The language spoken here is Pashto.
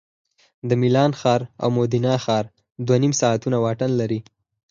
د میلان ښار او مودینا ښار دوه نیم ساعتونه واټن لري